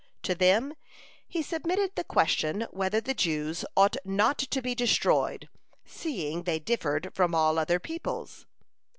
To them he submitted the question, whether the Jews ought not to be destroyed, seeing they differed from all other peoples.